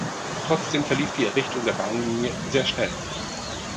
Trotzdem verlief die Errichtung der Bahnlinie sehr schnell.